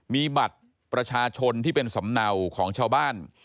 มีบัตรประชาชนที่เป็นสำเนาของชาวบ้าน